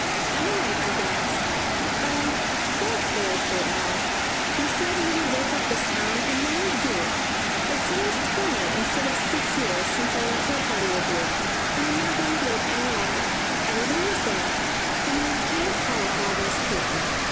"Tom!" I gasped. "Oh, don't spoil sport, Moll! You said you would wake up this town, and now do it. It seems twenty instead of six years since I went to a party with you, and I'm not going to wait any longer. Everybody is there, and they can't all have Miss Clinton."